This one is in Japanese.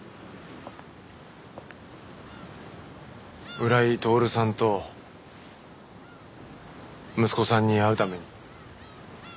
浦井徹さんと息子さんに会うために。